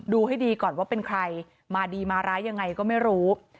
ดูให้ดีก่อนว่าเป็นใครมาดีมาร้ายยังไงก็ไม่รู้